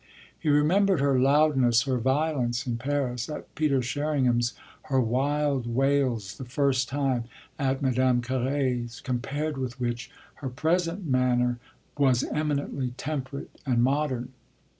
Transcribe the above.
He remembered her loudness, her violence in Paris, at Peter Sherringham's, her wild wails, the first time, at Madame Carré's; compared with which her present manner was eminently temperate and modern.